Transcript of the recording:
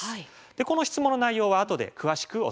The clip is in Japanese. この質問の内容はあとで詳しくお伝えします。